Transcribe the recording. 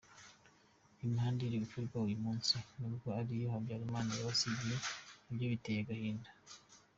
Imihanda uko ikorwa uyu munsi n’ubwo ari iyo Habyarimana yabasigiya nabyo biteye agahinda.